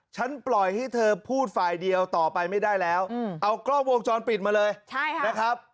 ปล่อยให้เธอพูดฝ่ายเดียวต่อไปไม่ได้แล้วเอากล้องวงจรปิดมาเลยนะครับ